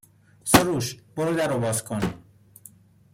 سروش برو در رو باز کن